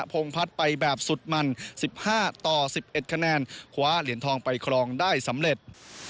พงพัฒน์ไปแบบสุดมัน๑๕ต่อ๑๑คะแนนคว้าเหรียญทองไปครองได้สำเร็จ